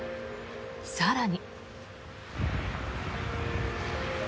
更に。